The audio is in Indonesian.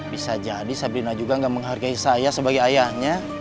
bisa jadi sabrina juga nggak menghargai saya sebagai ayahnya